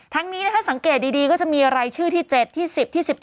ทั้งนี้ถ้าสังเกตดีก็จะมีรายชื่อที่๗๑๐๑๑